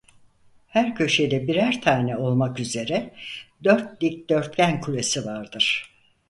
Her köşede birer tane olmak üzere dört dikdörtgen kulesi vardır.